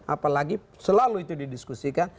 apalagi selalu itu didiskusikan